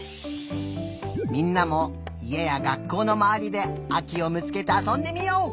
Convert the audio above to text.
みんなもいえや学校のまわりであきをみつけてあそんでみよう！